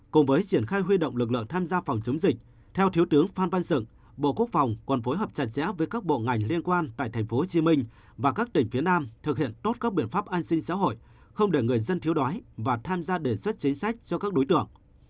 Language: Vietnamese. cùng với triển khai huy động lực lượng tham gia phòng chống dịch theo thiếu tướng phan văn dựng bộ quốc phòng còn phối hợp chặt chẽ với các bộ ngành liên quan tại tp hcm và các tỉnh phía nam thực hiện tốt các biện pháp an sinh xã hội không để người dân thiếu đói và tham gia đề xuất chính sách cho các đối tượng